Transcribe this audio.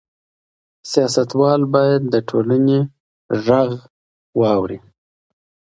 سياستوال بايد د ټولنې غږ واوري.